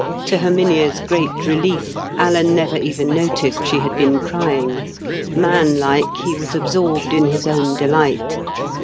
To Herminia's great relief, Alan never even noticed she had been crying. Man like, he was absorbed in his own delight.